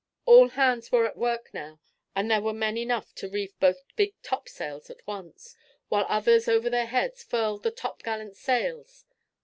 All hands were at work now, and there were men enough to reef both big topsails at once, while others over their heads furled the topgallant sails.